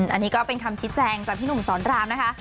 อันนี้ก็เป็นคำชี้แจงจากพี่หนุ่มสอนรามนะคะ